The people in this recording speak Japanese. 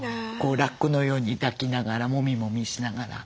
ラッコのように抱きながらもみもみしながら。